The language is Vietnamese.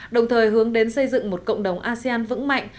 đồng thời hướng đến xây dựng một cộng đồng asean vững mạnh